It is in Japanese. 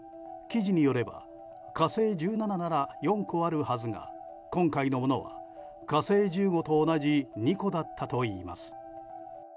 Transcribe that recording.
記事によれば「火星１７」なら４個あるはずが今回のものは「火星１５」と同じ２個だったといいます。